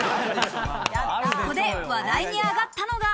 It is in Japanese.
ここで話題に上がったのは。